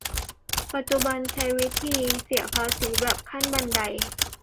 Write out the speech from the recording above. ปัจจุบันใช้วิธีเสียภาษีแบบขั้นบันได